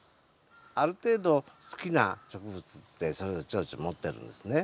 ある程度好きな植物ってそれぞれチョウチョ持ってるんですね。